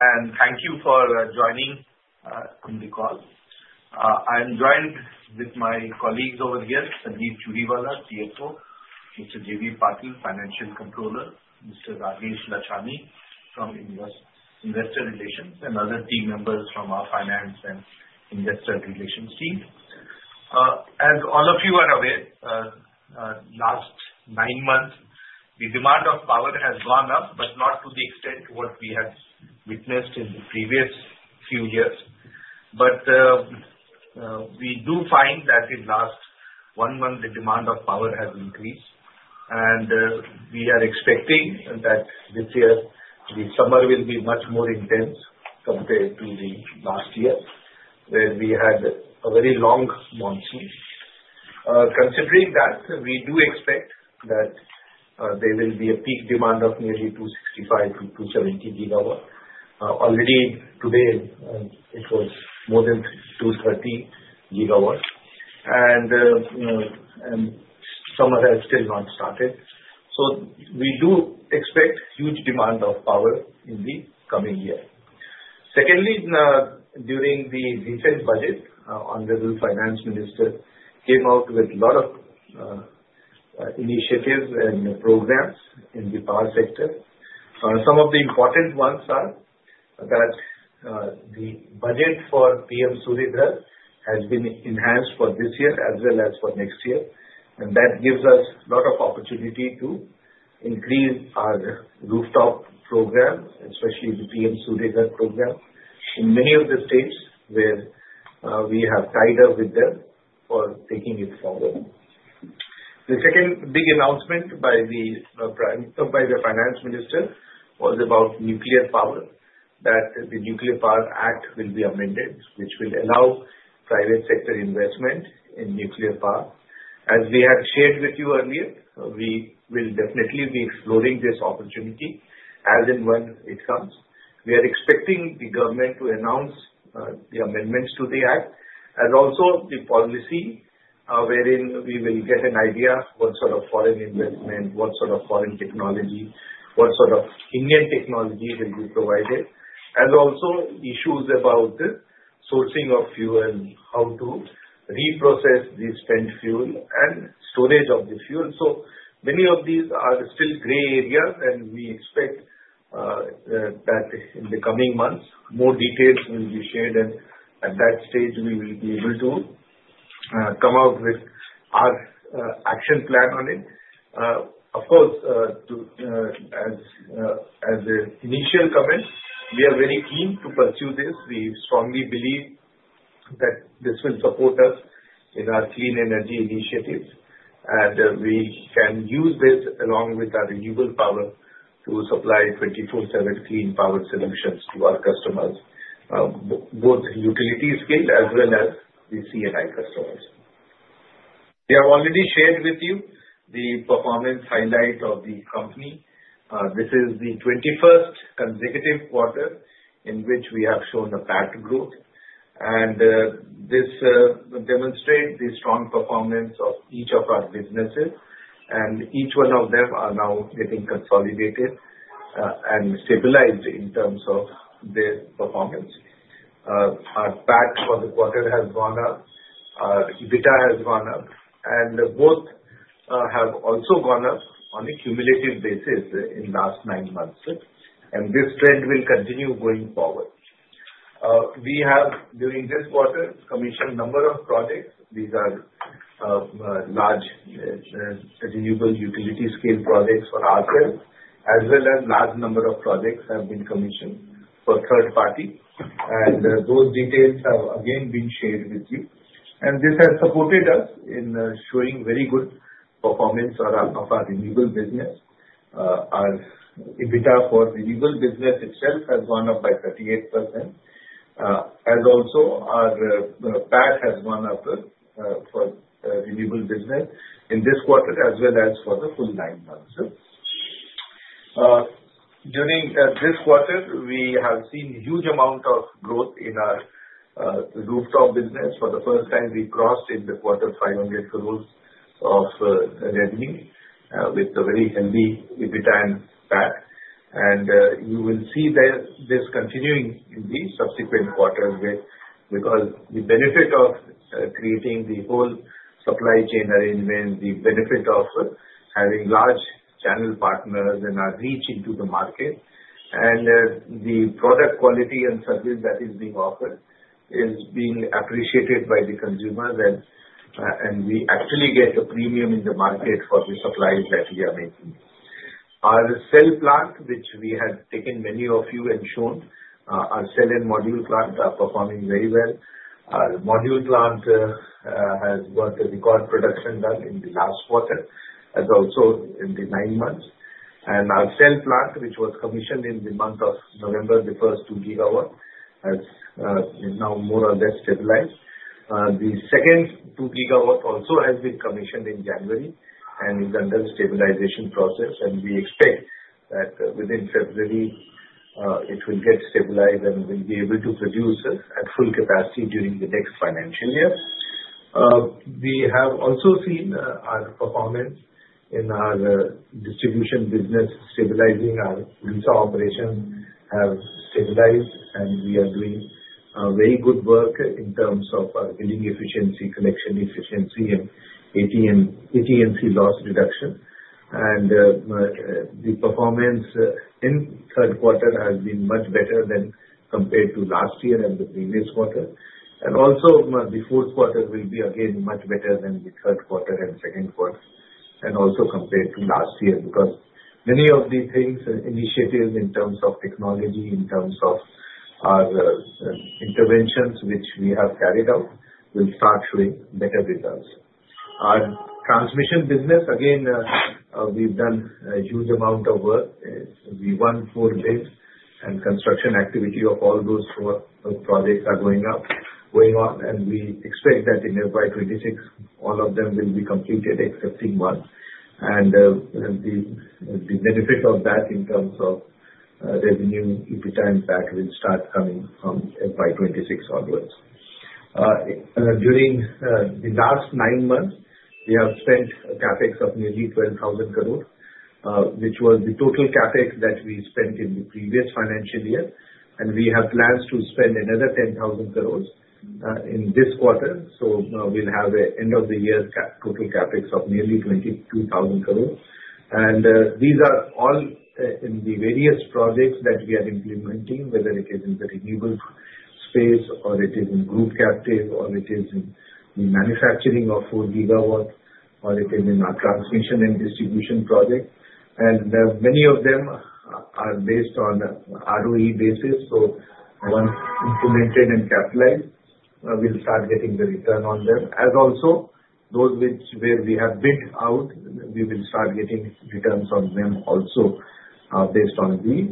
Thank you for joining the call. I'm joined with my colleagues over here, Sanjeev Churiwala, CFO, Mr. J.V. Patil, Financial Controller, Mr. Rajesh Lachhani from investor relations, and other team members from our finance and investor relations team. As all of you are aware, last nine months, the demand of power has gone up, but not to the extent what we have witnessed in the previous few years. But we do find that in the last one month, the demand of power has increased, and we are expecting that this year, the summer will be much more intense compared to the last year, where we had a very long monsoon. Considering that, we do expect that there will be a peak demand of nearly 265 GW-270 GW. Already today, it was more than 230 GW, and summer has still not started. So we do expect huge demand of power in the coming year. Secondly, during the recent budget, the Finance Minister came out with a lot of initiatives and programs in the power sector. Some of the important ones are that the budget for PM Surya Ghar has been enhanced for this year as well as for next year, and that gives us a lot of opportunity to increase our rooftop program, especially the PM Surya Ghar program, in many of the states where we have tied up with them for taking it forward. The second big announcement by the Finance Minister was about nuclear power, that the Nuclear Power Act will be amended, which will allow private sector investment in nuclear power. As we have shared with you earlier, we will definitely be exploring this opportunity as and when it comes. We are expecting the government to announce the amendments to the Act, as also the policy wherein we will get an idea of what sort of foreign investment, what sort of foreign technology, what sort of Indian technology will be provided, and also issues about sourcing of fuel and how to reprocess the spent fuel and storage of the fuel. So many of these are still gray areas, and we expect that in the coming months, more details will be shared, and at that stage, we will be able to come out with our action plan on it. Of course, as an initial comment, we are very keen to pursue this. We strongly believe that this will support us in our clean energy initiatives, and we can use this along with our renewable power to supply 24/7 clean power solutions to our customers, both utility scale as well as the C&I customers. We have already shared with you the performance highlight of the company. This is the 21st consecutive quarter in which we have shown a PAT growth, and this demonstrates the strong performance of each of our businesses, and each one of them is now getting consolidated and stabilized in terms of their performance. Our PAT for the quarter has gone up, our EBITDA has gone up, and both have also gone up on a cumulative basis in the last nine months, and this trend will continue going forward. We have, during this quarter, commissioned a number of projects. These are large renewable utility scale projects for ourselves, as well as a large number of projects that have been commissioned for third parties, and those details have again been shared with you, and this has supported us in showing very good performance of our renewable business. Our EBITDA for renewable business itself has gone up by 38%, as also our PAT has gone up for renewable business in this quarter as well as for the full nine months. During this quarter, we have seen a huge amount of growth in our rooftop business. For the first time, we crossed in the quarter 500 crore of revenue with a very healthy EBITDA and PAT, and you will see this continuing in the subsequent quarters because the benefit of creating the whole supply chain arrangement, the benefit of having large channel partners and our reach into the market, and the product quality and service that is being offered is being appreciated by the consumers, and we actually get a premium in the market for the supplies that we are making. Our cell plant, which we have taken many of you and shown, our cell and module plant are performing very well. Our module plant has got the record production done in the last quarter, as also in the nine months, and our cell plant, which was commissioned in the month of November, the first 2 GW, has now more or less stabilized. The second 2 GW also has been commissioned in January and is under stabilization process, and we expect that within February, it will get stabilized and we'll be able to produce at full capacity during the next financial year. We have also seen our performance in our distribution business stabilizing. Our resource operations have stabilized, and we are doing very good work in terms of our billing efficiency, collection efficiency, and AT&C loss reduction, and the performance in the third quarter has been much better than compared to last year and the previous quarter, and also, the fourth quarter will be again much better than the third quarter and second quarter, and also compared to last year because many of these things, initiatives in terms of technology, in terms of our interventions which we have carried out, will start showing better results. Our transmission business, again, we've done a huge amount of work. We won four bids and construction activity of all those projects are going on, and we expect that in FY 2026, all of them will be completed, excepting one, and the benefit of that in terms of revenue, EBITDA and PAT will start coming from FY 2026 onwards. During the last nine months, we have spent a CapEx of nearly 12,000 crore, which was the total CapEx that we spent in the previous financial year, and we have plans to spend another 10,000 crore in this quarter, so we'll have an end-of-the-year total CapEx of nearly 22,000 crore. These are all in the various projects that we are implementing, whether it is in the renewable space, or it is in group captive, or it is in the manufacturing of 4 GW, or it is in our transmission and distribution projects. Many of them are based on ROE basis, so once implemented and capitalized, we'll start getting the return on them. As also, those where we have bid out, we will start getting returns on them also based on the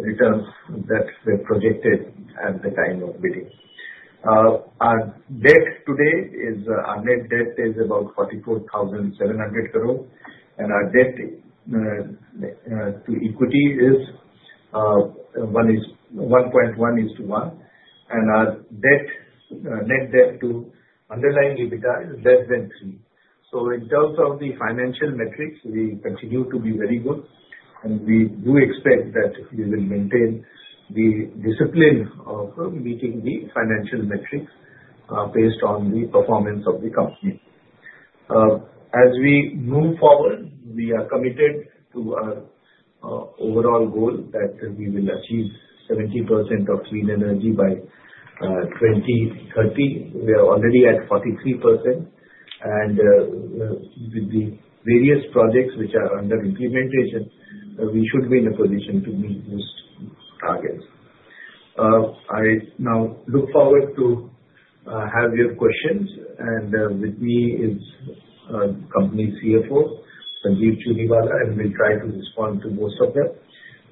returns that were projected at the time of bidding. Our debt today is our net debt is about 44,700 crore, and our debt to equity is 1.1:1, and our net debt to underlying EBITDA is less than 3x. So in terms of the financial metrics, we continue to be very good, and we do expect that we will maintain the discipline of meeting the financial metrics based on the performance of the company. As we move forward, we are committed to our overall goal that we will achieve 70% of clean energy by 2030. We are already at 43%, and with the various projects which are under implementation, we should be in a position to meet those targets. I now look forward to have your questions, and with me is the company CFO, Sanjeev Churiwala, and we'll try to respond to most of them.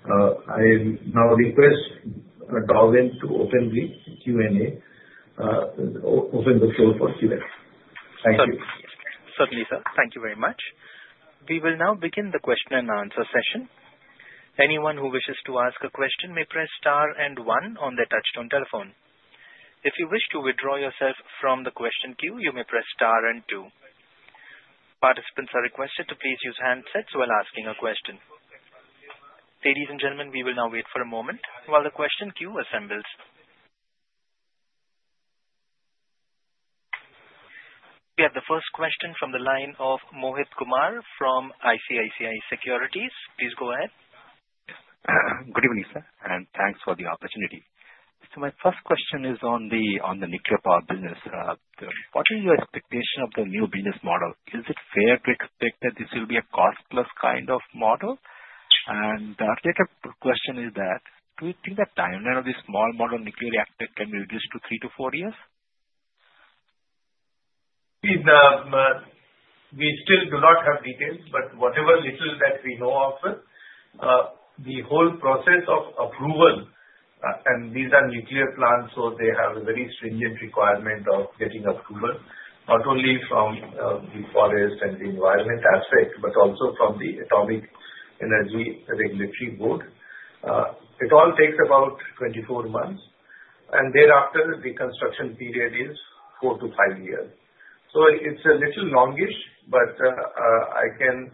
I now request Darwin to open the Q&A, open the floor for Q&A. Thank you. Certainly, sir. Thank you very much. We will now begin the question and answer session. Anyone who wishes to ask a question may press star and one on their touchtone telephone. If you wish to withdraw yourself from the question queue, you may press star and two. Participants are requested to please use handsets while asking a question. Ladies and gentlemen, we will now wait for a moment while the question queue assembles. We have the first question from the line of Mohit Kumar from ICICI Securities. Please go ahead. Good evening, sir, and thanks for the opportunity. So my first question is on the nuclear power business. What is your expectation of the new business model? Is it fair to expect that this will be a cost-plus kind of model? And the related question is that, do you think that timeline of this small modular nuclear reactor can be reduced to three to four years? We still do not have details, but whatever little that we know of it, the whole process of approval, and these are nuclear plants, so they have a very stringent requirement of getting approval, not only from the forest and the environment aspect, but also from the Atomic Energy Regulatory Board. It all takes about 24 months, and thereafter, the construction period is four to five years. So it's a little longish, but I can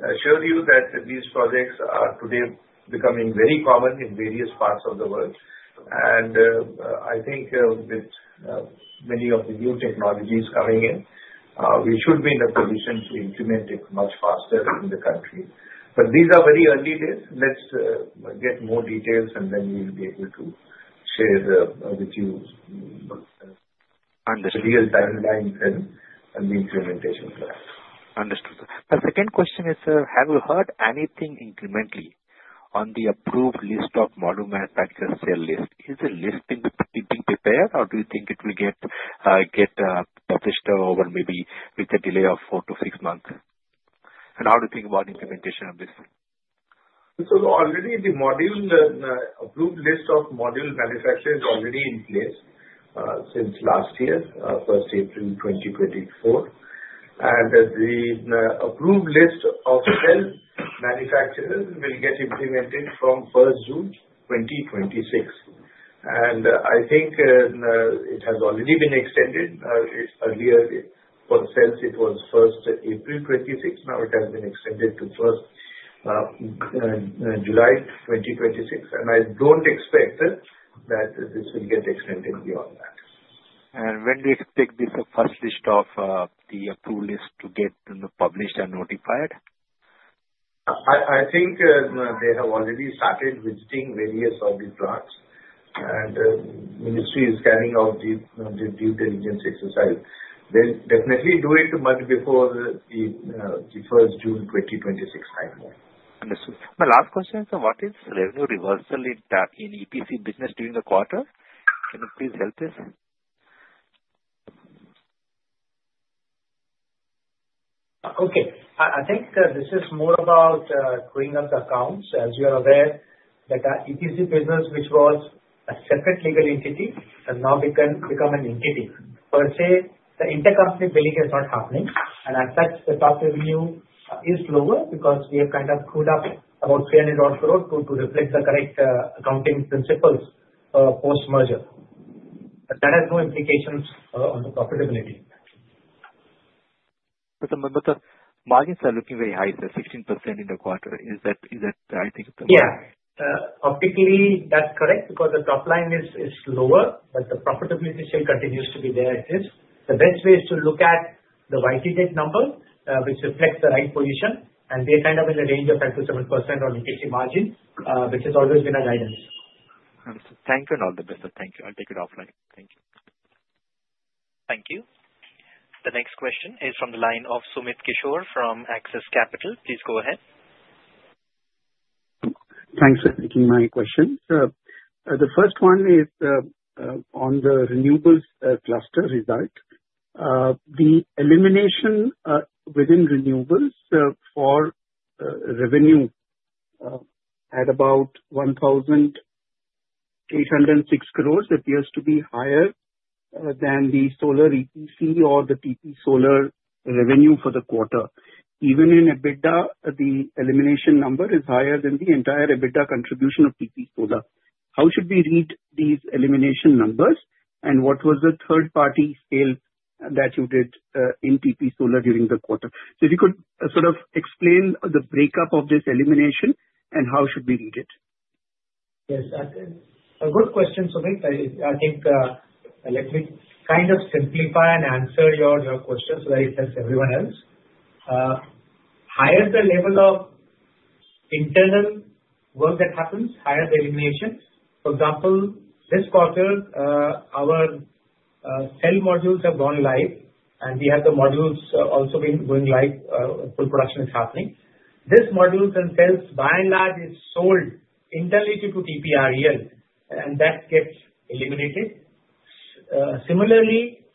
assure you that these projects are today becoming very common in various parts of the world. And I think with many of the new technologies coming in, we should be in a position to implement it much faster in the country. But these are very early days. Let's get more details, and then we'll be able to share with you the real timeline and the implementation plan. Understood. My second question is, have you heard anything incrementally on the approved list of models and manufacturers list? Is the list being prepared, or do you think it will get published over maybe with a delay of four to six months? And how do you think about implementation of this? So already, the approved list of module manufacturers is already in place since last year, 1st April 2024, and the approved list of cell manufacturers will get implemented from 1st June 2026. And I think it has already been extended. Earlier, for cells, it was 1st April 2026. Now, it has been extended to 1st July 2026, and I don't expect that this will get extended beyond that. When do you expect the first list of the approved list to get published and notified? I think they have already started visiting various of the plants, and the ministry is carrying out the due diligence exercise. They'll definitely do it much before the 1st June 2026 timeline. Understood. My last question is, what is revenue reversal in EPC business during the quarter? Can you please help us? Okay. I think this is more about cleaning up the accounts. As you are aware, the EPC business, which was a separate legal entity, has now become an entity. Per se, the intercompany billing is not happening, and as such, the top revenue is lower because we have kind of trued up about 300-odd crore to reflect the correct accounting principles post-merger. That has no implications on the profitability. But the margins are looking very high, sir, 16% in the quarter. Is that, I think? Yeah. Optically, that's correct because the top line is lower, but the profitability still continues to be there as is. The best way is to look at the year-to-date number, which reflects the right position, and we are kind of in the range of 5%-7% on EPC margin, which has always been our guidance. Understood. Thank you, and all the best. Thank you. I'll take it offline. Thank you. Thank you. The next question is from the line of Sumit Kishore from Axis Capital. Please go ahead. Thanks for taking my question. The first one is on the renewables cluster result. The elimination within renewables for revenue at about 1,806 crore appears to be higher than the solar EPC or the TP Solar revenue for the quarter. Even in EBITDA, the elimination number is higher than the entire EBITDA contribution of TP Solar. How should we read these elimination numbers, and what was the third-party sale that you did in TP Solar during the quarter? So if you could sort of explain the breakup of this elimination and how should we read it? Yes, that's a good question, Sumit. I think let me kind of simplify and answer your question so that it helps everyone else. Higher the level of internal work that happens, higher the elimination. For example, this quarter, our cell modules have gone live, and we have the modules also been going live. Full production is happening. These modules and cells, by and large, is sold internally to TPREL, and that gets eliminated. Similarly,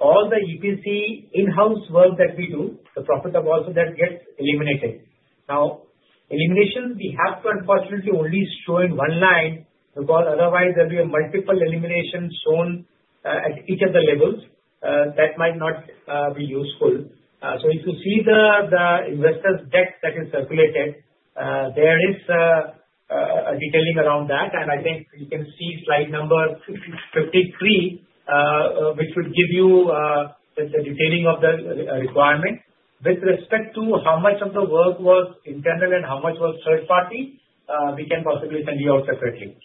all the EPC in-house work that we do, the profit also that gets eliminated. Now, elimination, we have to unfortunately only show in one line because otherwise, there will be multiple eliminations shown at each of the levels that might not be useful. So if you see the investor deck that is circulated, there is a detailing around that, and I think you can see slide number 53, which would give you the detailing of the requirement. With respect to how much of the work was internal and how much was third-party, we can possibly send you out separately.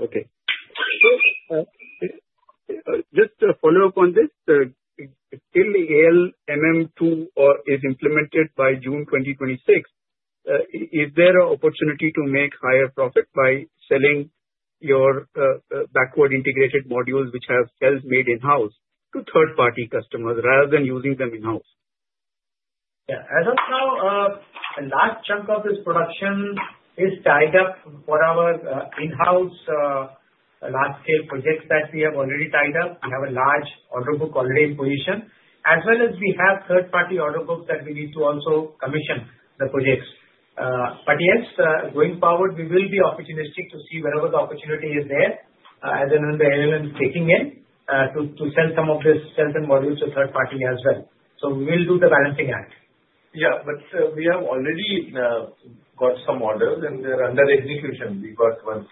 Okay. Just to follow up on this, till the ALMM II is implemented by June 2026, is there an opportunity to make higher profit by selling your backward integrated modules, which have cells made in-house, to third-party customers rather than using them in-house? Yeah. As of now, a large chunk of this production is tied up for our in-house large-scale projects that we have already tied up. We have a large order book already in position, as well as we have third-party order books that we need to also commission the projects. But yes, going forward, we will be opportunistic to see wherever the opportunity is there, as in the ALMM II taking into sell some of these cells and modules to third party as well. So we will do the balancing act. Yeah, but we have already got some orders, and they're under execution. We got one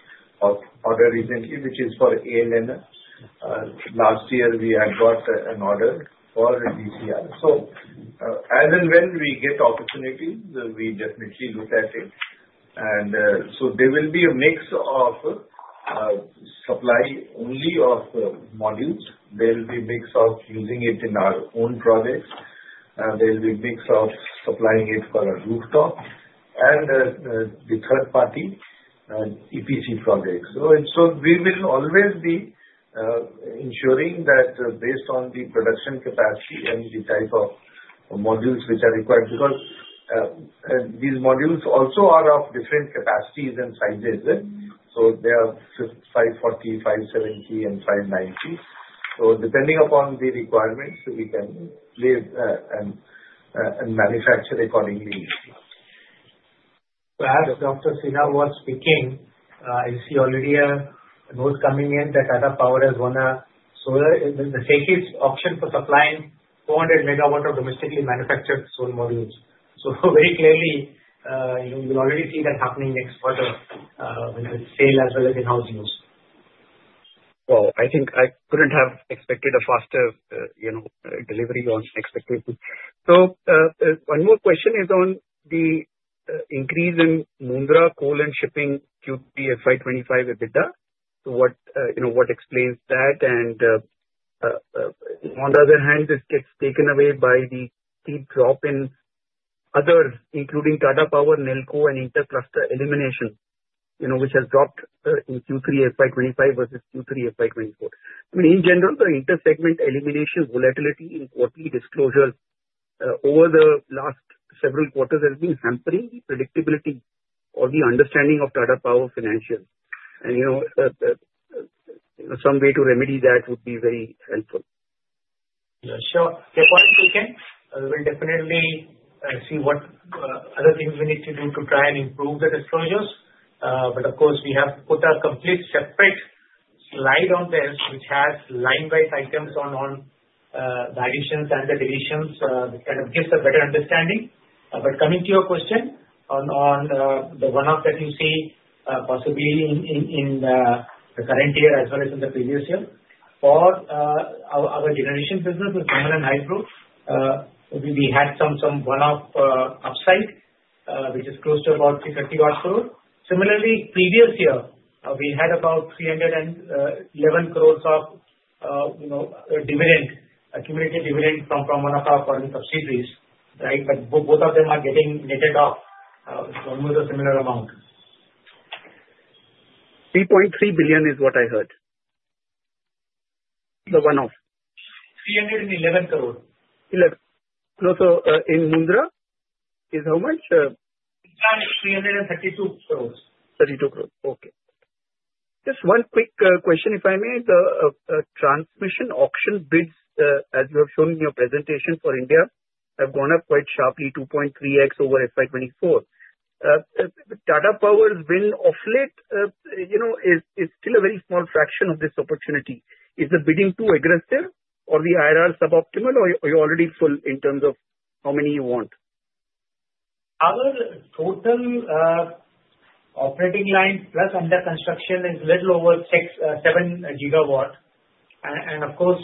order recently, which is for ALMM. Last year, we had got an order for DCR. So as and when we get opportunity, we definitely look at it. And so there will be a mix of supply only of modules. There will be a mix of using it in our own projects. There will be a mix of supplying it for a rooftop and the third-party EPC projects. So we will always be ensuring that based on the production capacity and the type of modules which are required because these modules also are of different capacities and sizes. So they are 540, 570, and 590. So depending upon the requirements, we can manufacture accordingly. As Dr. Sinha was speaking, you see already those coming in that Tata Power has won solar in the SECI's auction for supplying 400 MW of domestically manufactured solar modules. So very clearly, you can already see that happening next quarter with sale as well as in-house use. I think I couldn't have expected a faster delivery on expectations. One more question is on the increase in Mundra coal and shipping Q1 FY 2025 EBITDA. What explains that? On the other hand, this gets taken away by the steep drop in others, including Tata Power, Nelco, and inter-segment elimination, which has dropped in Q3 FY 2025 versus Q3 FY 2024. I mean, in general, the inter-segment elimination volatility in quarterly disclosures over the last several quarters has been hampering the predictability or the understanding of Tata Power financials. Some way to remedy that would be very helpful. Yeah, sure. If I'm speaking, we will definitely see what other things we need to do to try and improve the disclosures. But of course, we have put a complete separate slide on this, which has line-by-items on the additions and the deletions, which kind of gives a better understanding. But coming to your question on the one-off that you see possibly in the current year as well as in the previous year, for our generation business with Thermal and Hydro, we had some one-off upside, which is close to about 330-odd crore. Similarly, previous year, we had about 311 crore of accumulated dividend from one of our foreign subsidiaries, right? But both of them are getting netted off almost a similar amount. 3.3 billion is what I heard. The one-off. 311 crore. So in Mundra, is how much? It's 332 crore. 32 crore. Okay. Just one quick question, if I may. The transmission auction bids, as you have shown in your presentation for India, have gone up quite sharply, 2.3x over FY 2024. Tata Power's win of late is still a very small fraction of this opportunity. Is the bidding too aggressive, or the IRR suboptimal, or are you already full in terms of how many you want? Our total operating line plus under construction is a little over 7 GW, and of course,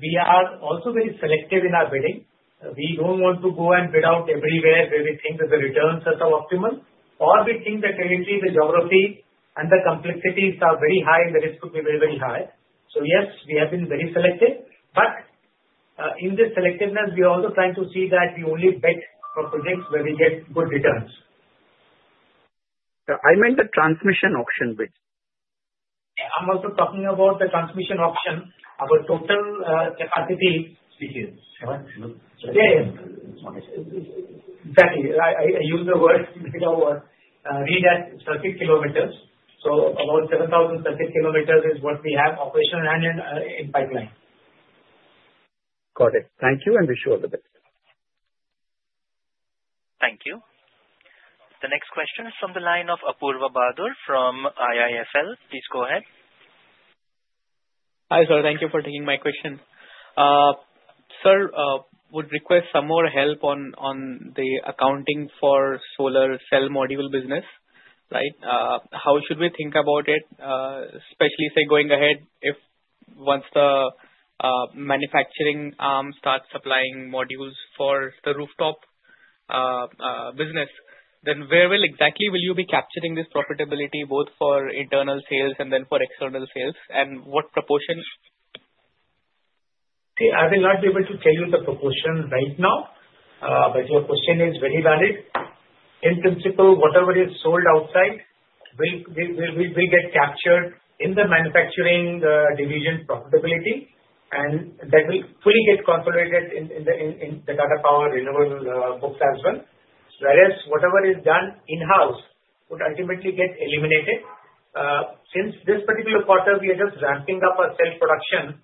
we are also very selective in our bidding. We don't want to go and bid out everywhere where we think the returns are suboptimal, or we think that currently the geography and the complexities are very high, and the risk could be very, very high, so yes, we have been very selective, but in this selectiveness, we are also trying to see that we only bet for projects where we get good returns. I meant the transmission auction bids. I'm also talking about the transmission auction. Our total capacity, speaking exactly. I use the word gigawatts rather circuit kilometers. So about 7,000 circuit kilometers is what we have operational and in pipeline. Got it. Thank you, and wish you all the best. Thank you. The next question is from the line of Apoorva Bahadur from IIFL. Please go ahead. Hi, sir. Thank you for taking my question. Sir, would request some more help on the accounting for solar cell module business, right? How should we think about it, especially say going ahead if once the manufacturing arm starts supplying modules for the rooftop business, then where exactly will you be capturing this profitability both for internal sales and then for external sales, and what proportion? I will not be able to tell you the proportion right now, but your question is very valid. In principle, whatever is sold outside will get captured in the manufacturing division profitability, and that will fully get consolidated in the Tata Power renewable books as well. Whereas whatever is done in-house would ultimately get eliminated. Since this particular quarter, we are just ramping up our cell production,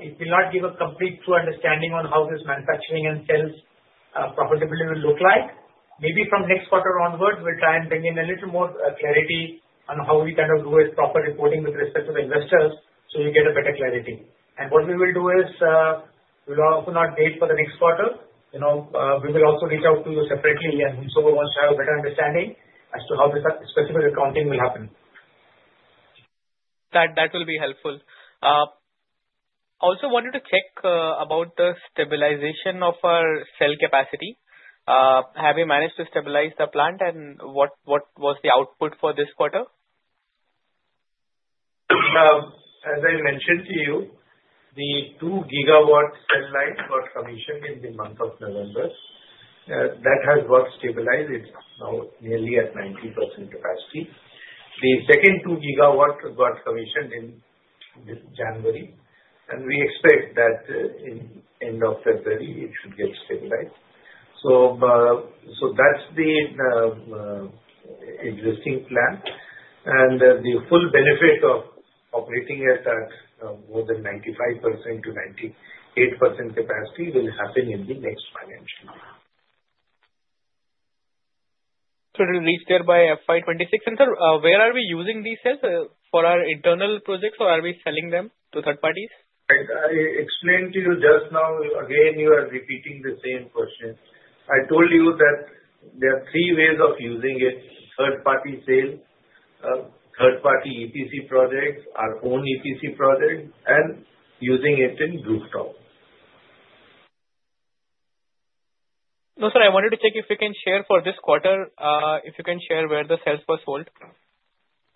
it will not give a complete true understanding on how this manufacturing and cells profitability will look like. Maybe from next quarter onward, we'll try and bring in a little more clarity on how we kind of do with proper reporting with respect to the investors so you get a better clarity, and what we will do is we'll also not wait for the next quarter. We will also reach out to you separately, and whosoever wants to have a better understanding as to how this specific accounting will happen. That will be helpful. Also wanted to check about the stabilization of our cell capacity. Have you managed to stabilize the plant, and what was the output for this quarter? As I mentioned to you, the 2 GW cell line got commissioned in the month of November. That has got stabilized. It's now nearly at 90% capacity. The second 2 GW got commissioned in January, and we expect that in the end of February, it should get stabilized. So that's the existing plan. The full benefit of operating at more than 95%-98% capacity will happen in the next financial year. So it will reach there by FY 2026. And sir, where are we using these cells? For our internal projects, or are we selling them to third parties? I explained to you just now. Again, you are repeating the same question. I told you that there are three ways of using it: third-party sale, third-party EPC projects, our own EPC project, and using it in rooftop. No, sir. I wanted to check if you can share for this quarter, if you can share where the cells were sold?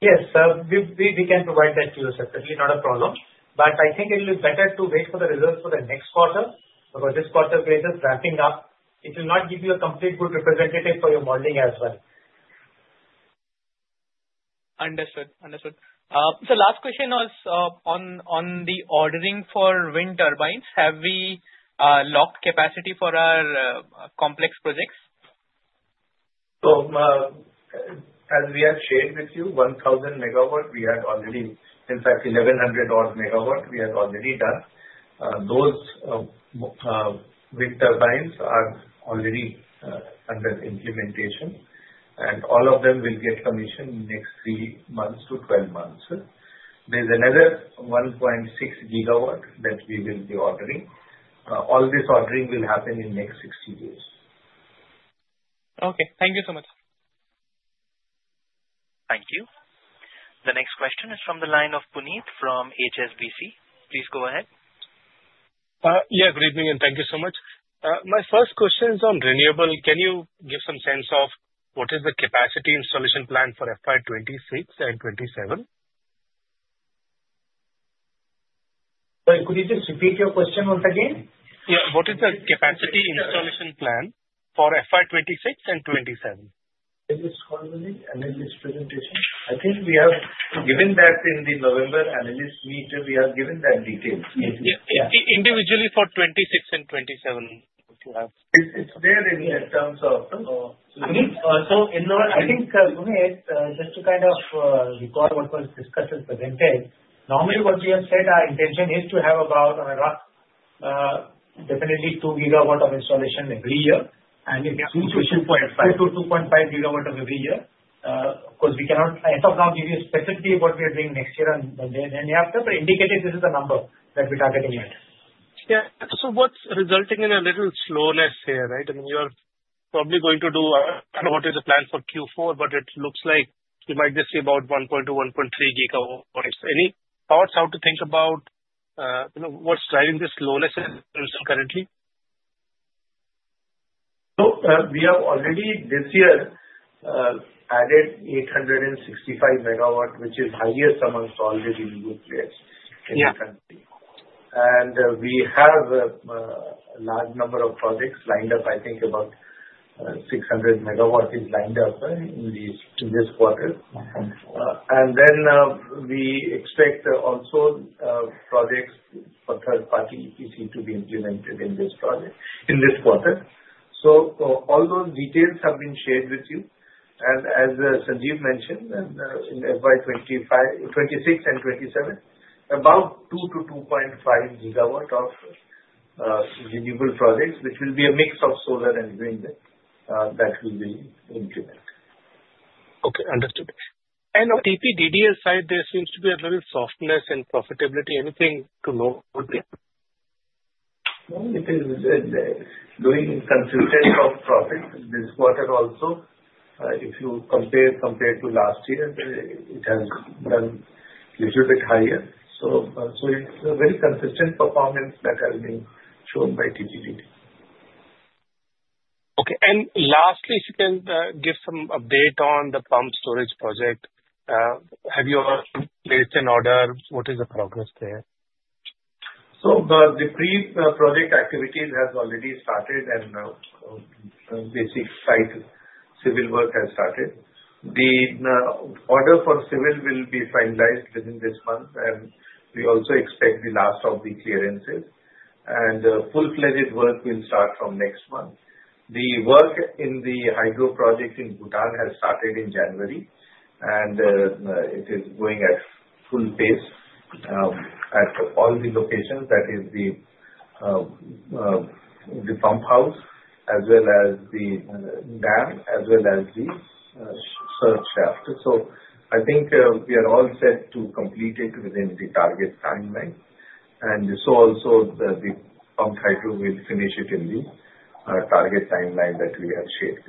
Yes, we can provide that to you, sir. Certainly not a problem, but I think it will be better to wait for the results for the next quarter because this quarter's ramping up. It will not give you a complete good representative for your modeling as well. Understood. Understood. Sir, last question was on the ordering for wind turbines. Have we locked capacity for our complex projects? So as we had shared with you, 1,000 MW, we had already in fact, 1,100 MW we had already done. Those wind turbines are already under implementation, and all of them will get commissioned in next three months to 12 months. There's another 1.6 GW that we will be ordering. All this ordering will happen in next 60 days. Okay. Thank you so much. Thank you. The next question is from the line of Puneet from HSBC. Please go ahead. Yeah, good evening, and thank you so much. My first question is on renewable. Can you give some sense of what is the capacity installation plan for FY 2026 and 2027? Could you just repeat your question once again? Yeah. What is the capacity installation plan for FY 2026 and 2027? In its continuity and in its presentation. I think we have given that in the November analyst meeting. We have given that details. Yeah. Individually for 2026 and 2027, if you have? It's there in terms of. I think, Puneet, just to kind of recall what was discussed and presented, normally what we have said, our intention is to have about rough definitely2 GW of installation every year, and it's 2.5 GW every year. Of course, we cannot as of now give you specifically what we are doing next year and the year after, but indicatively, this is the number that we're targeting at. Yeah. So what's resulting in a little slowness here, right? I mean, you're probably going to do what is the plan for Q4, but it looks like you might just see about 1.2 GW, 1.3 GW. Any thoughts on how to think about what's driving this slowness currently? So we have already this year added 865 MW, which is highest among all the renewable players in the country. And we have a large number of projects lined up. I think about 600 MW is lined up in this quarter. And then we expect also projects for third-party EPC to be implemented in this quarter. So all those details have been shared with you. And as Sanjeev mentioned, in FY 2026 and FY 2027, about 2 GW-2.5 GW of renewable projects, which will be a mix of solar and wind that will be implemented. Okay. Understood. And on TPDDL side, there seems to be a little softness in profitability. Anything to note? It is doing consistent profits this quarter also. If you compare to last year, it has done a little bit higher. So it's a very consistent performance that has been shown by TPDDL. Okay. And lastly, if you can give some update on the pumped storage project. Have you placed an order? What is the progress there? The pre-project activities have already started, and basic civil work has started. The order for civil will be finalized within this month, and we also expect the last of the clearances. Full-fledged work will start from next month. The work in the hydro project in Bhutan has started in January, and it is going at full pace at all the locations, that is the pump house as well as the dam, as well as the surge shaft. I think we are all set to complete it within the target timeline. So also, the pumped hydro will finish it in the target timeline that we have shared.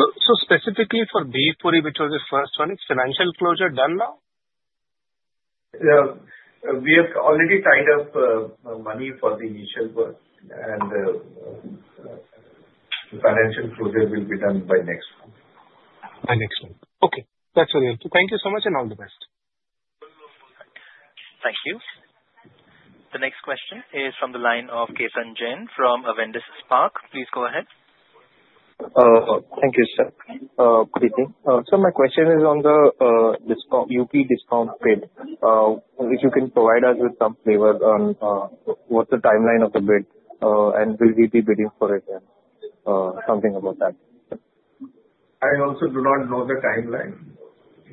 So specifically for Bhivpuri, which was the first one, is financial closure done now? We have already tied up money for the initial work, and the financial closure will be done by next month. By next month. Okay. That's all. Thank you so much, and all the best. Thank you. The next question is from the line of Ketan Jain from Avendus Spark. Please go ahead. Thank you, sir. Good evening. So my question is on the UP discom bid. If you can provide us with some flavor on what's the timeline of the bid, and will we be bidding for it, and something about that? I also do not know the timeline.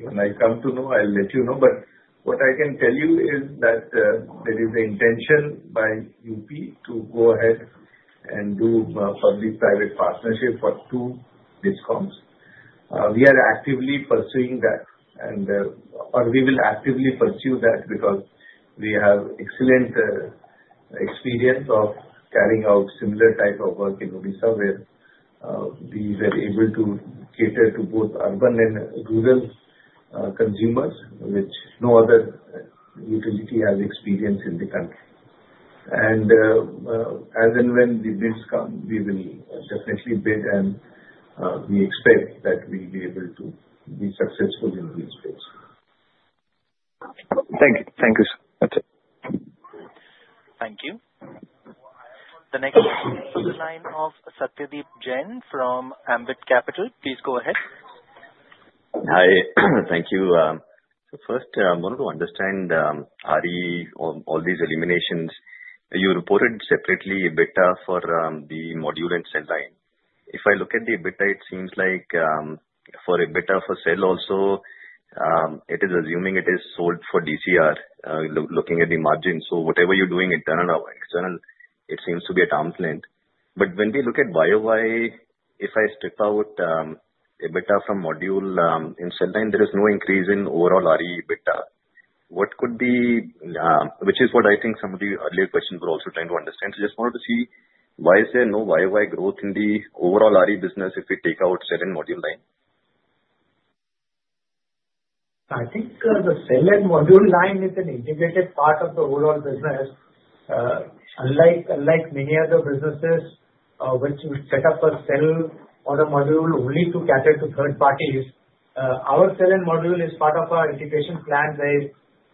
When I come to know, I'll let you know. But what I can tell you is that there is an intention by UP to go ahead and do a public-private partnership for two discoms. We are actively pursuing that, or we will actively pursue that because we have excellent experience of carrying out similar type of work in Odisha, where we were able to cater to both urban and rural consumers, which no other utility has experienced in the country, and as and when the bids come, we will definitely bid, and we expect that we'll be able to be successful in these bids. Thank you. Thank you. Thank you. The next line of Satyadeep Jain from Ambit Capital. Please go ahead. Hi. Thank you. So first, I want to understand, are, all these eliminations. You reported separately EBITDA for the module and cell line. If I look at the EBITDA, it seems like for EBITDA for cell also, it is assuming it is sold for DCR, looking at the margin. So whatever you're doing internal or external, it seems to be at arm's length. But when we look at YoY, if I strip out EBITDA from module and cell line, there is no increase in overall RE EBITDA. What could be, which is what I think some of the earlier questions were also trying to understand. So I just wanted to see why is there no YoY growth in the overall RE business if we take out cell and module line? I think the cell and module line is an integrated part of the overall business. Unlike many other businesses which will set up a cell or a module only to cater to third parties, our cell and module is part of our integration plan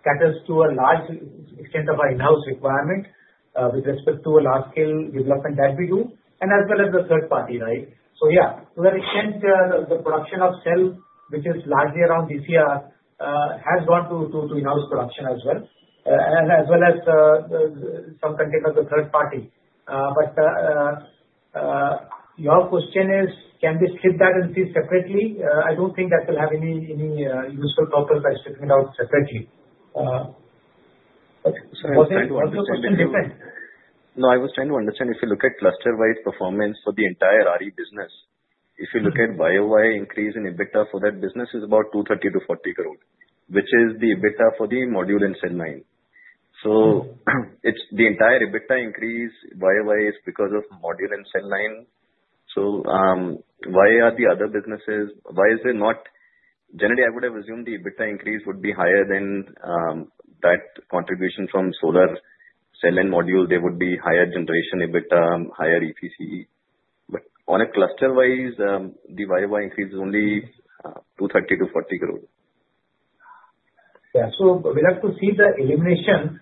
that caters to a large extent of our in-house requirement with respect to a large-scale development that we do, and as well as the third party, right? So yeah, to that extent, the production of cell, which is largely around DCR, has gone to in-house production as well, as well as some content of the third party. But your question is, can we strip that and see separately? I don't think that will have any useful purpose by stripping it out separately. But also a question different. No, I was trying to understand if you look at cluster-wise performance for the entire RE business. If you look at YoY, increase in EBITDA for that business is about 230 crore-240 crore, which is the EBITDA for the module and cell line. So the entire EBITDA increase YoY is because of module and cell line. So why are the other businesses why is there not generally, I would have assumed the EBITDA increase would be higher than that contribution from solar, cell, and module. There would be higher generation EBITDA, higher EPC. But on a cluster-wise, the YoY increase is only 230 crore-240 crore. Yeah. So we'll have to see the elimination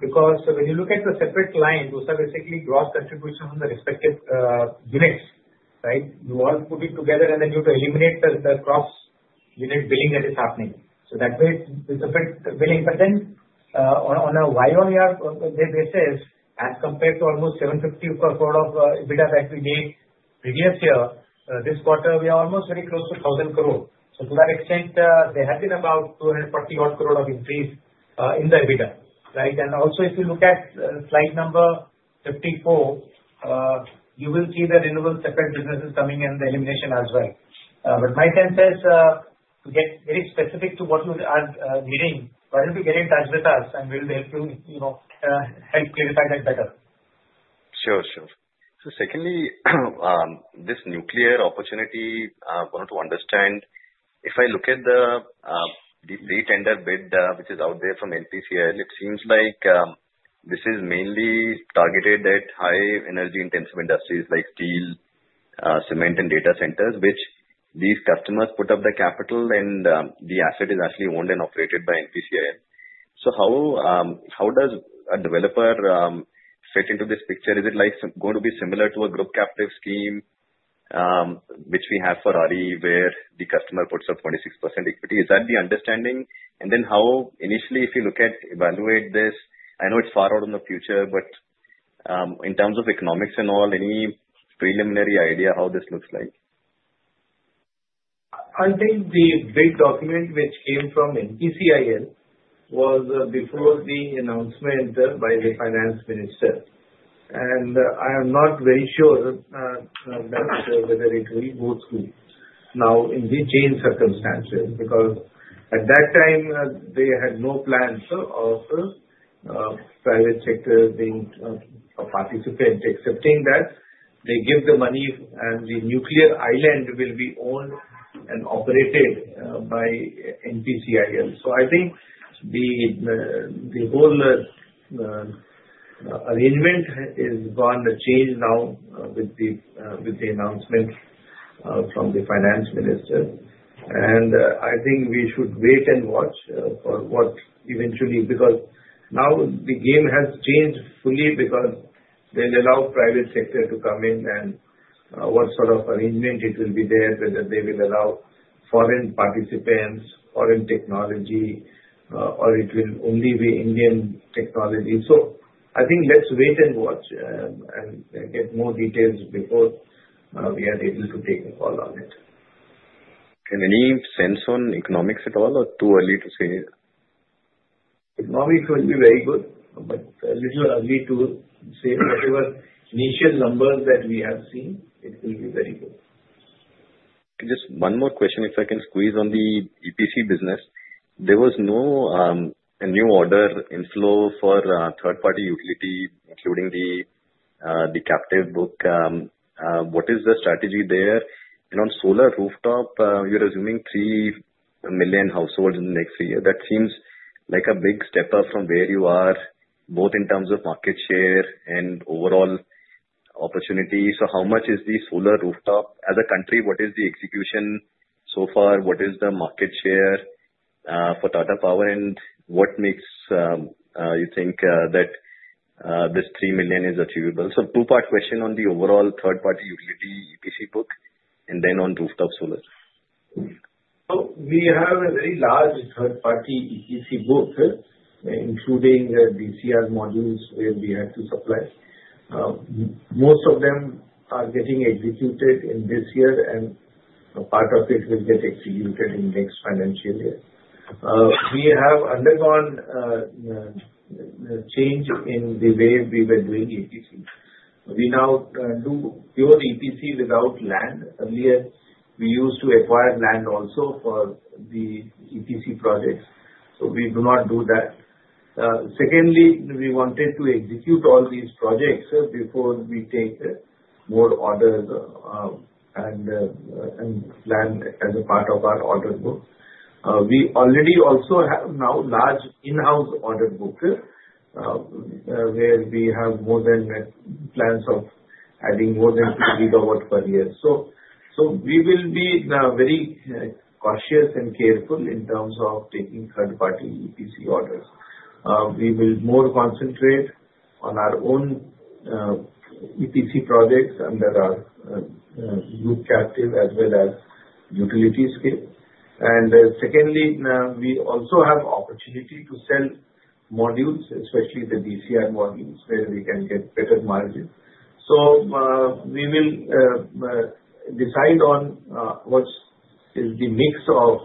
because when you look at the separate line, those are basically gross contributions on the respective units, right? You all put it together, and then you have to eliminate the cross-unit billing that is happening. So that way, it's a bit tricky. But then on a YoY basis, as compared to almost 750 crore of EBITDA that we gained previous year, this quarter, we are almost very close to 1,000 crore. So to that extent, there has been about 240-odd crore of increase in the EBITDA, right? And also, if you look at slide number 54, you will see the renewable separate businesses coming and the elimination as well. But my sense is to get very specific to what you are needing, why don't you get in touch with us, and we'll help you clarify that better. Sure. Sure. So secondly, this nuclear opportunity, I wanted to understand. If I look at the pre-tender bid which is out there from NPCIL, it seems like this is mainly targeted at high-energy intensive industries like steel, cement, and data centers, which these customers put up the capital, and the asset is actually owned and operated by NPCIL. So how does a developer fit into this picture? Is it going to be similar to a group captive scheme which we have for RE, where the customer puts up 26% equity? Is that the understanding? And then how initially, if you look at evaluate this, I know it's far out in the future, but in terms of economics and all, any preliminary idea how this looks like? I think the bid document which came from NPCIL was before the announcement by the finance minister. And I am not very sure whether it will go through now in the same circumstances because at that time, they had no plans of private sector being a participant, accepting that they give the money, and the nuclear island will be owned and operated by NPCIL. So I think the whole arrangement is going to change now with the announcement from the finance minister. And I think we should wait and watch for what eventually because now the game has changed fully because they'll allow private sector to come in, and what sort of arrangement it will be there, whether they will allow foreign participants, foreign technology, or it will only be Indian technology. So, I think let's wait and watch and get more details before we are able to take a call on it. Any sense on economics at all, or too early to say? Economics will be very good, but a little early to say. Whatever initial numbers that we have seen, it will be very good. Just one more question, if I can squeeze on the EPC business. There was no new order in flow for third-party utility, including the captive book. What is the strategy there? And on solar rooftop, you're assuming 3 million households in the next year. That seems like a big step up from where you are, both in terms of market share and overall opportunity. So how much is the solar rooftop? As a country, what is the execution so far? What is the market share for Tata Power? And what makes you think that this 3 million is achievable? So two-part question on the overall third-party utility EPC book, and then on rooftop solar. So we have a very large third-party EPC book, including DCR modules where we have to supply. Most of them are getting executed in this year, and part of it will get executed in next financial year. We have undergone a change in the way we were doing EPC. We now do pure EPC without land. Earlier, we used to acquire land also for the EPC projects. So we do not do that. Secondly, we wanted to execute all these projects before we take more orders and plan as a part of our order book. We already also have now large in-house order book where we have more than plans of adding more than 2 GW per year. So we will be very cautious and careful in terms of taking third-party EPC orders. We will more concentrate on our own EPC projects under our group captive as well as utility scale. And secondly, we also have opportunity to sell modules, especially the DCR modules, where we can get better margins. So we will decide on what is the mix of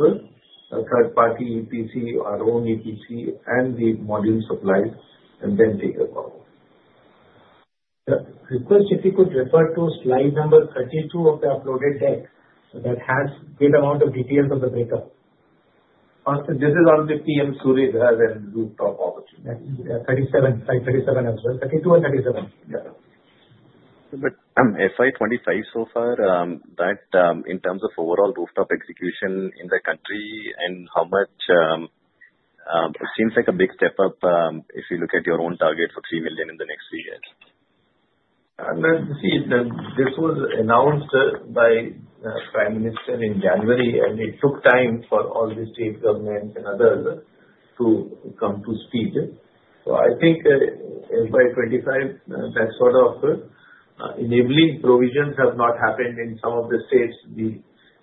third-party EPC, our own EPC, and the module supplies, and then take a call. Request, if you could refer to slide number 32 of the uploaded deck that has a good amount of details of the breakup. This is on the PM Surya Ghar and rooftop opportunity. Yeah, 37. Slide 37 as well. 32 and 37. But FY 2025 so far, that in terms of overall rooftop execution in the country and how much, it seems like a big step up if you look at your own target for 3 million in the next few years. See, this was announced by the Prime Minister in January, and it took time for all the state governments and others to come up to speed. So I think FY 2025, that sort of enabling provisions have not happened in some of the states.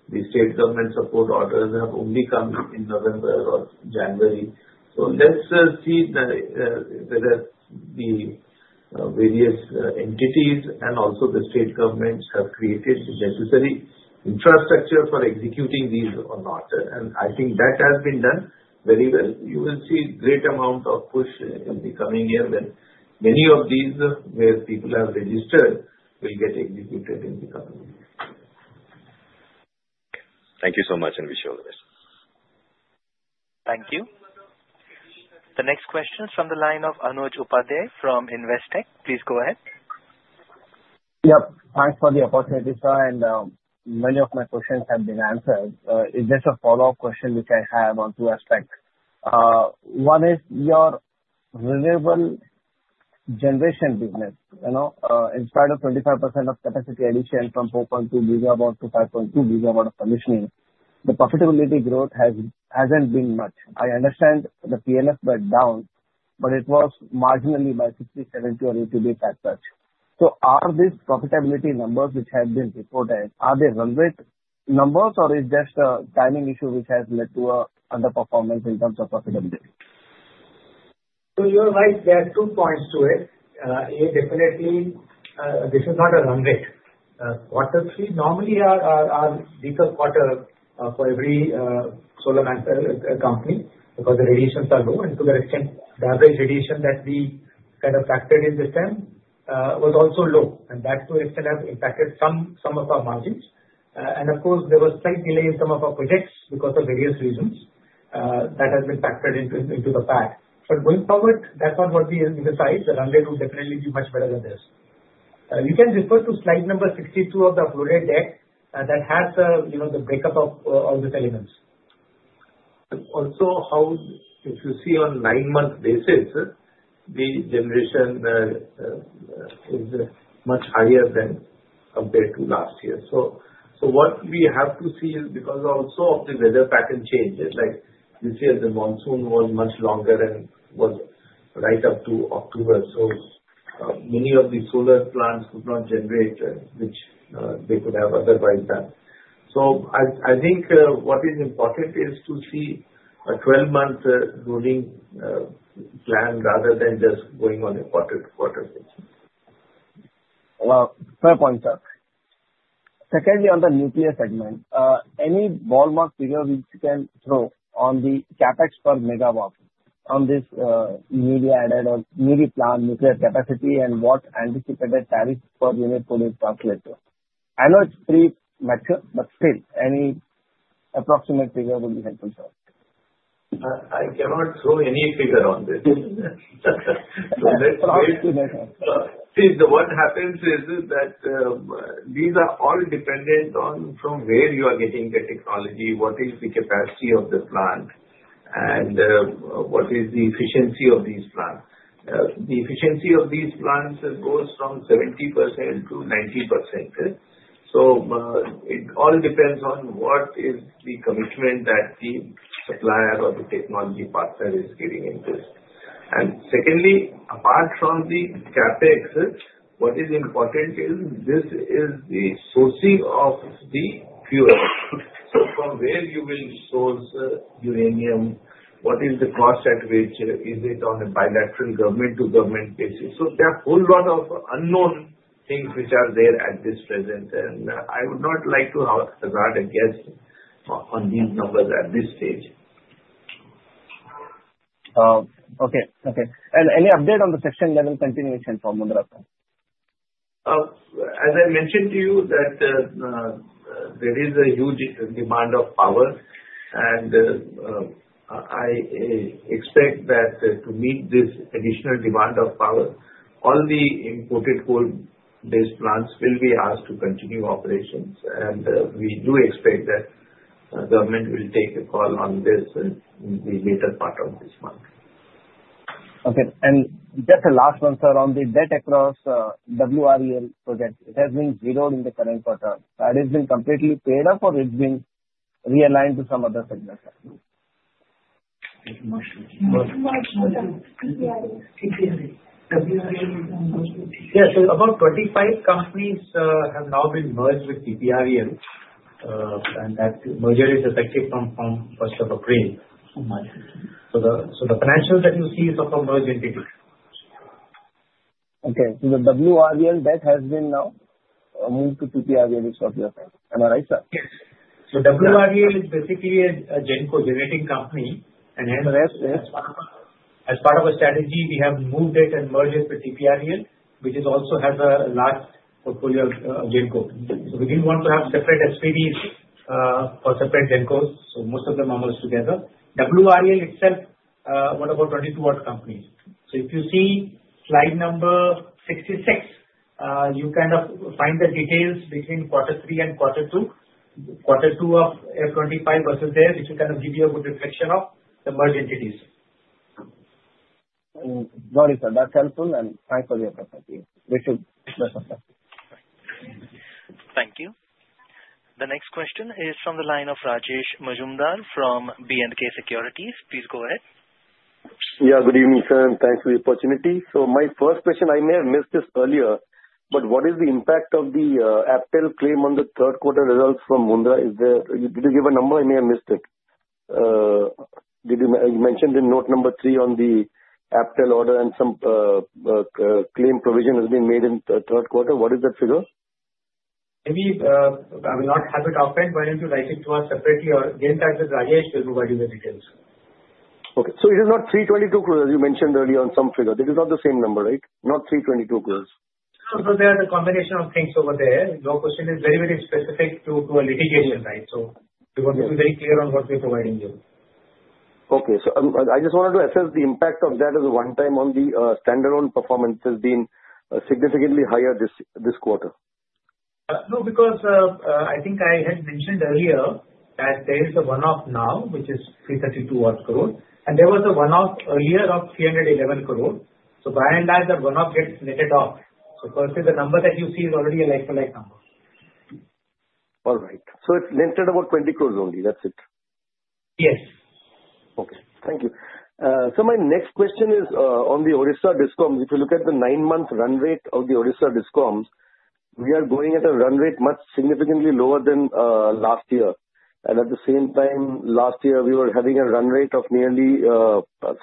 The state government support orders have only come in November or January. So let's see whether the various entities and also the state governments have created the necessary infrastructure for executing these or not. And I think that has been done very well. You will see a great amount of push in the coming year when many of these where people have registered will get executed in the coming years. Thank you so much, and wish you all the best. Thank you. The next question is from the line of Anuj Upadhyay from Investec. Please go ahead. Yep. Thanks for the opportunity, sir. And many of my questions have been answered. It's just a follow-up question which I have on two aspects. One is your renewable generation business. In spite of 25% of capacity addition from 4.2 GW to 5.2 GW of commissioning, the profitability growth hasn't been much. I understand the PLF went down, but it was marginally by 60, 70, or 80 basis points as such. So are these profitability numbers which have been reported, are they run rate numbers, or is it just a timing issue which has led to an underperformance in terms of profitability? To your right, there are two points to it. Definitely, this is not a run rate. Quarter three normally are weaker quarter for every solar management company because the radiations are low, and to that extent, the average radiation that we kind of factored in this time was also low, and that, to an extent, has impacted some of our margins, and of course, there was slight delay in some of our projects because of various reasons that have been factored into the PAT, but going forward, that's not what we decide. The run rate will definitely be much better than this. You can refer to slide number 62 of the uploaded deck that has the breakup of all these elements. Also, if you see on nine-month basis, the generation is much higher than compared to last year. So what we have to see is because also of the weather pattern change. This year, the monsoon was much longer and was right up to October. So many of the solar plants could not generate which they could have otherwise done. So I think what is important is to see a 12-month rolling plan rather than just going on a quarter-to-quarter basis. Fair point, sir. Secondly, on the nuclear segment, any ballpark figure which you can throw on the CapEx per megawatt on this newly added or newly planned nuclear capacity and what anticipated tariffs per unit put in perspective? I know it's pretty much it, but still, any approximate figure would be helpful, sir. I cannot throw any figure on this. So let's see. No problem. See, what happens is that these are all dependent on from where you are getting the technology, what is the capacity of the plant, and what is the efficiency of these plants. The efficiency of these plants goes from 70%-90%. So it all depends on what is the commitment that the supplier or the technology partner is giving into it. And secondly, apart from the CapEx, what is important is this is the sourcing of the fuel. So from where you will source uranium, what is the cost at which is it on a bilateral government-to-government basis? So there are a whole lot of unknown things which are there at this present. And I would not like to hazard a guess on these numbers at this stage. Okay. Any update on the Section 11 continuation for Mundra plant? As I mentioned to you that there is a huge demand of power. And I expect that to meet this additional demand of power, all the imported coal-based plants will be asked to continue operations. And we do expect that government will take a call on this in the later part of this month. Okay. And just a last one, sir, on the debt across WREL project. It has been zeroed in the current quarter. That has been completely paid off, or it's been realigned to some other segment? Yeah. So about 25 companies have now been merged with TPREL. And that merger is effective from 1st of April. So the financials that you see is of a merged entity. Okay. So the WREL debt has been now moved to TPREL this quarter. Am I right, sir? Yes. So WREL is basically a Genco generating company. And as part of a strategy, we have moved it and merged it with TPREL, which also has a large portfolio of Genco. So we didn't want to have separate SPDs for separate Gencos. So most of them are merged together. WREL itself, what about 2.2 GW companies? So if you see slide number 66, you kind of find the details between quarter three and quarter two. Quarter two of FY 2025 versus there, which will kind of give you a good reflection of the merged entities. Very good. That's helpful. And thanks for your perspective. Wish you the best of luck. Thank you. The next question is from the line of Rajesh Majumdar from B&K Securities. Please go ahead. Yeah. Good evening, sir. And thanks for the opportunity. So my first question, I may have missed this earlier, but what is the impact of the APTEL claim on the third-quarter results from Mundra? Did you give a number? I may have missed it. You mentioned in note number three on the APTEL order and some claim provision has been made in the third quarter. What is that figure? Maybe I will not have it outright, but if you like it to ask separately or again, that is Rajesh will provide you with details. Okay. So it is not 322 crore, as you mentioned earlier on some figure. This is not the same number, right? Not 322 crore. No. So there's a combination of things over there. Your question is very, very specific to a litigation, right? So we want to be very clear on what we're providing you. Okay. So I just wanted to assess the impact of that as a one-time on the standalone performance has been significantly higher this quarter. No, because I think I had mentioned earlier that there is a one-off now, which is 332 crore. And there was a one-off earlier of 311 crore. So by and large, that one-off gets netted off. So per se, the number that you see is already a like-for-like number. All right. So it's netted about 20 crore only. That's it? Yes. Okay. Thank you. My next question is on the Odisha Discoms. If you look at the nine-month run rate of the Odisha Discoms, we are going at a run rate much significantly lower than last year. And at the same time, last year, we were having a run rate of nearly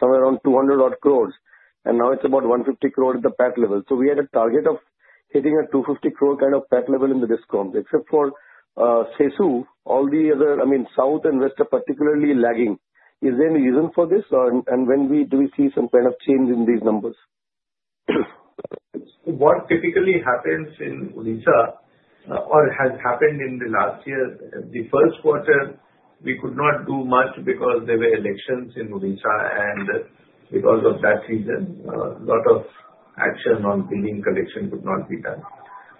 somewhere around 200 crore. And now it's about 150 crore at the PAT level. So we had a target of hitting a 250 crore kind of PAT level in the discoms. Except for CESU, all the other I mean, South and West are particularly lagging. Is there any reason for this? And do we see some kind of change in these numbers? What typically happens in Odisha or has happened in the last year, the first quarter, we could not do much because there were elections in Odisha and because of that season, a lot of action on building collection could not be done.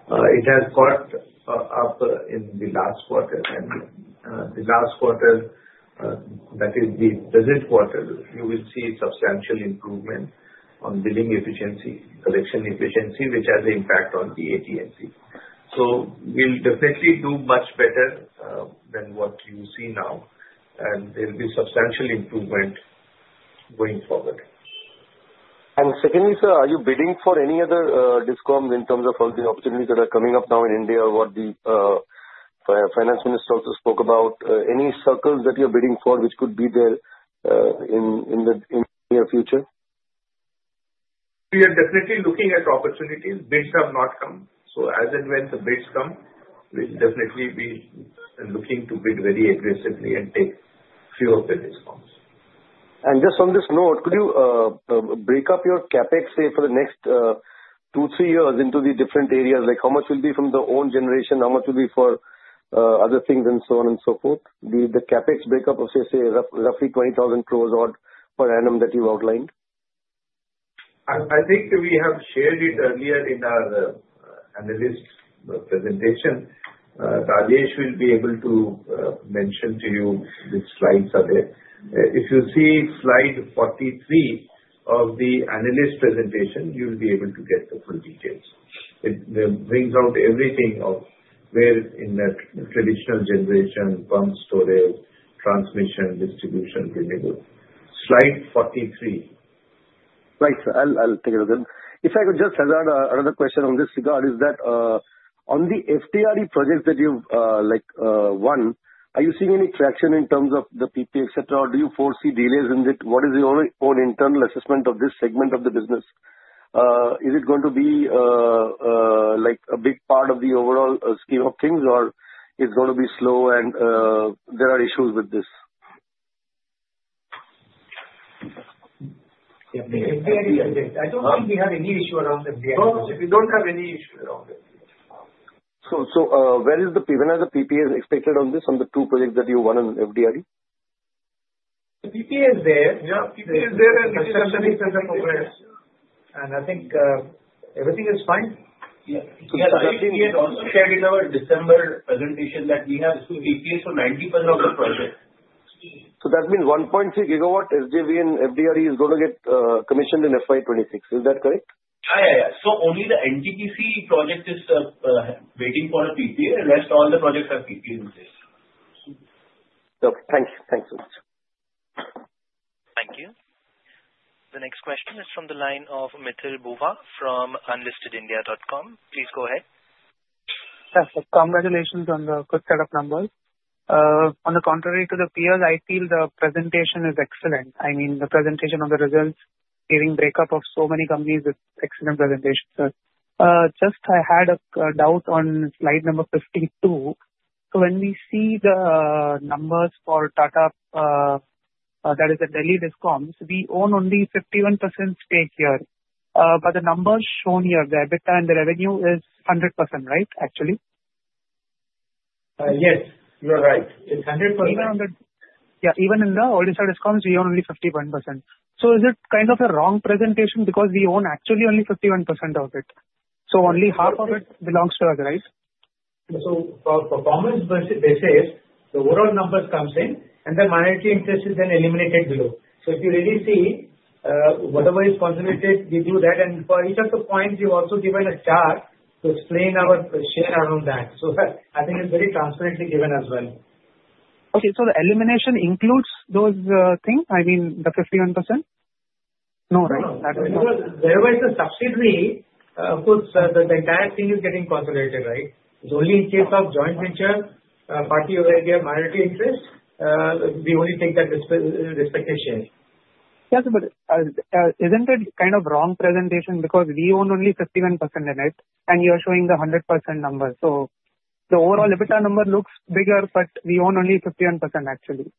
It has caught up in the last quarter, and the last quarter, that is the present quarter, you will see substantial improvement on building efficiency, collection efficiency, which has an impact on the AT&C. So we'll definitely do much better than what you see now, and there will be substantial improvement going forward. And secondly, sir, are you bidding for any other discoms in terms of all the opportunities that are coming up now in India or what the finance minister also spoke about? Any circles that you're bidding for which could be there in the near future? We are definitely looking at opportunities. Bids have not come. So as and when the bids come, we'll definitely be looking to bid very aggressively and take fewer bid discoms. Just on this note, could you break up your CapEx, say, for the next two, three years into the different areas? How much will be from the own generation? How much will be for other things and so on and so forth? The CapEx breakup of, say, roughly 20,000 crore per annum that you've outlined? I think we have shared it earlier in our analyst presentation. Rajesh will be able to mention to you the slides a bit. If you see slide 43 of the analyst presentation, you'll be able to get the full details. It brings out everything of where in that traditional generation, pumped storage, transmission, distribution, renewable. Slide 43. Right. I'll take a look at it. If I could just hazard another question on this regard, is that on the FDRE projects that you've won, are you seeing any traction in terms of the PPA, etc., or do you foresee delays in it? What is your own internal assessment of this segment of the business? Is it going to be a big part of the overall scheme of things, or it's going to be slow, and there are issues with this? FDRE, I don't think we have any issue around FDRE. No, we don't have any issue around FDRE. Where is the PPA? When are the PPAs expected on this on the two projects that you won on FDRE? The PPA is there. Yeah. PPA is there and PPA is progressing, and I think everything is fine. Yeah. We had also shared in our December presentation that we have two PPAs for 90% of the project. So that means 1.3 GW SJVN FDRE is going to get commissioned in FY 2026? Is that correct? So only the NTPC project is waiting for a PPA, and rest all the projects have PPAs in place. Okay. Thank you. Thanks so much. Thank you. The next question is from the line of Mithil Bhuva from unlistedindia.com. Please go ahead. Yes. Congratulations on the good set of numbers. On the contrary to the peers, I feel the presentation is excellent. I mean, the presentation of the results, hearing breakup of so many companies with excellent presentation. Just I had a doubt on slide number 52. So when we see the numbers for Tata, that is the Delhi Discoms, we own only 51% stake here. But the numbers shown here, the EBITDA and the revenue is 100%, right, actually? Yes. You are right. It's 100%. Even in the Odisha Discoms, we own only 51%. So is it kind of a wrong presentation because we own actually only 51% of it? So only half of it belongs to us, right? So for performance basis, the overall numbers come in, and the minority interest is then eliminated below. So if you really see, whatever is consolidated, we do that. And for each of the points, we've also given a chart to explain our share around that. So I think it's very transparently given as well. Okay. So the elimination includes those things? I mean, the 51%? No? Right? No. Because wherever is the subsidiary, of course, the entire thing is getting consolidated, right? It's only in case of joint venture, partly over here, minority interest, we only take that respective share. Yes. But isn't it kind of wrong presentation because we own only 51% in it, and you're showing the 100% number? So the overall EBITDA number looks bigger, but we own only 51%, actually.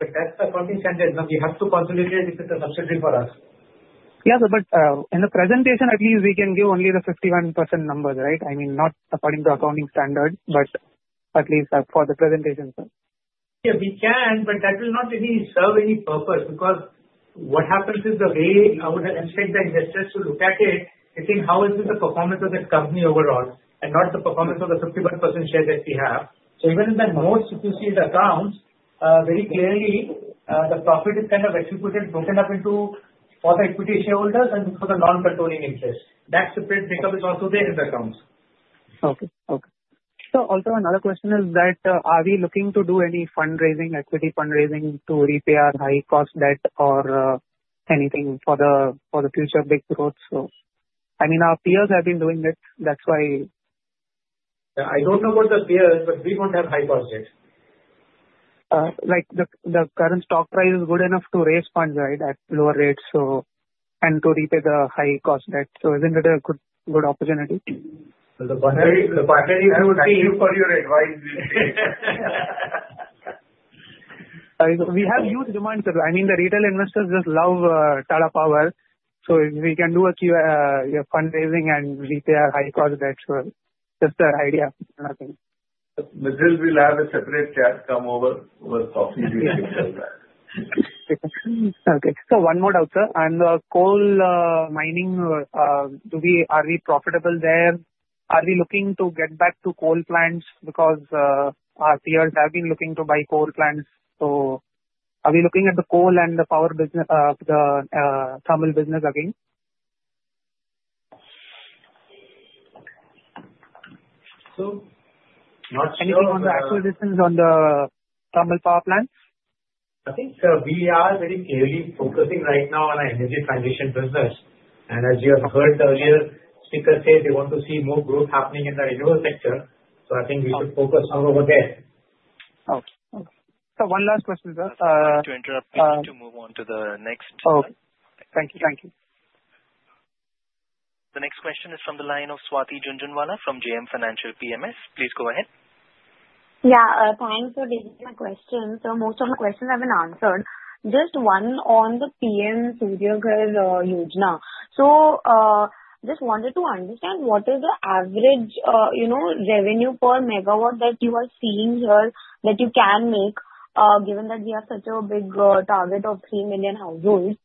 But that's the accounting standard. We have to consolidate if it's a subsidiary for us. Yes. But in the presentation, at least we can give only the 51% numbers, right? I mean, not according to accounting standards, but at least for the presentation, sir. Yeah. We can, but that will not really serve any purpose because what happens is the way I would expect the investors to look at it, they think, "How is the performance of the company overall?" and not the performance of the 51% share that we have. So even in the most difficult accounts, very clearly, the profit is kind of attributed, broken up into for the equity shareholders and for the non-controlling interest. That separate breakup is also there in the accounts. Okay. Okay. So also another question is that are we looking to do any fundraising, equity fundraising to repair high-cost debt or anything for the future big growth? So I mean, our peers have been doing it. That's why. I don't know about the peers, but we don't have high-cost debt. The current stock price is good enough to raise funds, right, at lower rates, and to repay the high-cost debt. So isn't it a good opportunity? The party will thank you for your advice. We have huge demands. I mean, the retail investors just love Tata Power. So if we can do a fundraising and repay high-cost debt, so just the idea for nothing. Mithil, we'll have a separate chat come over with coffee during the interview. Okay. So one more doubt, sir. And the coal mining, are we profitable there? Are we looking to get back to coal plants because our peers have been looking to buy coal plants? So are we looking at the coal and the power thermal business again? Not sure. Anything on the acquisitions on the thermal power plants? I think we are very clearly focusing right now on our energy transition business, and as you have heard earlier, speakers say they want to see more growth happening in the renewable sector, so I think we should focus more over there. Okay. Okay. So one last question, sir. Sorry to interrupt, we need to move on to the next. Oh. Thank you. Thank you. The next question is from the line of Swati Jhunjhunwala from JM Financial PMS. Please go ahead. Yeah. Thanks for taking my question. So most of my questions have been answered. Just one on the PM Surya Ghar Muft Bijli Yojana. So just wanted to understand what is the average revenue per megawatt that you are seeing here that you can make, given that we have such a big target of 3 million households?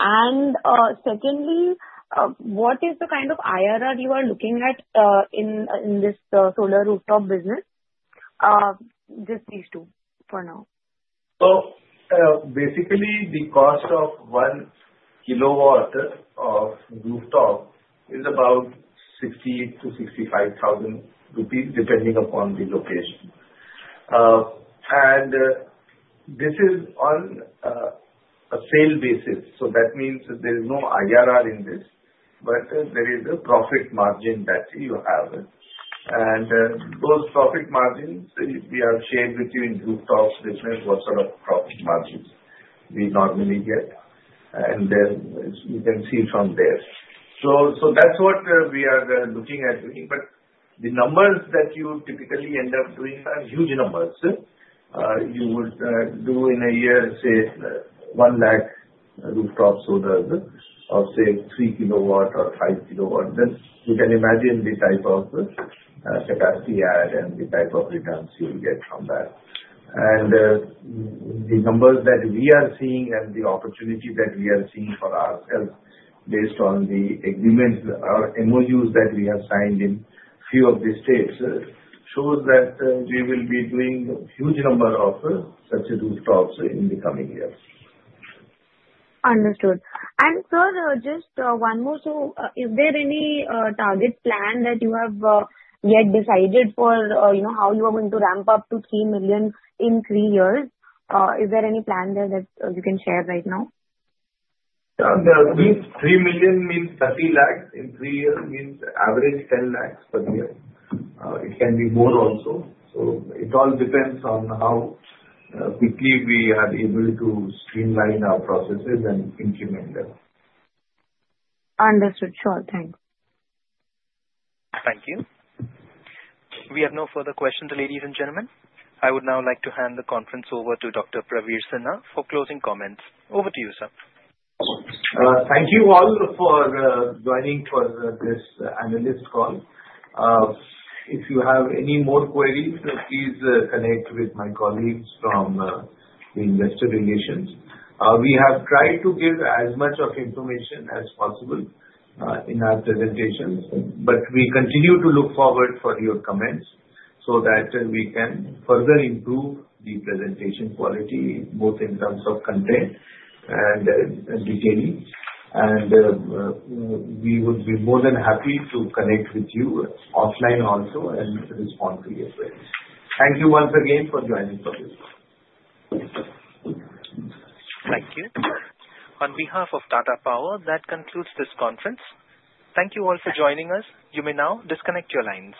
And secondly, what is the kind of IRR you are looking at in this solar rooftop business? Just these two for now. So basically, the cost of 1 kW of rooftop is about 60,000-65,000 rupees, depending upon the location. And this is on a sale basis. So that means there is no IRR in this, but there is a profit margin that you have. And those profit margins, we have shared with you in rooftops, different what sort of profit margins we normally get. And then you can see from there. So that's what we are looking at. But the numbers that you typically end up doing are huge numbers. You would do in a year, say, 1 lakh rooftop solar or, say, 3 kW or 5 kW. Then you can imagine the type of capacity add and the type of returns you will get from that. The numbers that we are seeing and the opportunity that we are seeing for ourselves, based on the agreements or MOUs that we have signed in a few of the states, shows that we will be doing a huge number of such rooftops in the coming years. Understood. And sir, just one more. So is there any target plan that you have yet decided for how you are going to ramp up to 3 million in three years? Is there any plan there that you can share right now? Yeah. At least 3 million means 30 lakh in three years, means average 10 lakh per year. It can be more also. So it all depends on how quickly we are able to streamline our processes and implement them. Understood. Sure. Thanks. Thank you. We have no further questions, ladies and gentlemen. I would now like to hand the conference over to Dr. Praveer Sinha for closing comments. Over to you, sir. Thank you all for joining for this analyst call. If you have any more queries, please connect with my colleagues from the investor relations. We have tried to give as much information as possible in our presentations, but we continue to look forward to your comments so that we can further improve the presentation quality, both in terms of content and detailing. And we would be more than happy to connect with you offline also and respond to your queries. Thank you once again for joining for this. Thank you. On behalf of Tata Power, that concludes this conference. Thank you all for joining us. You may now disconnect your lines.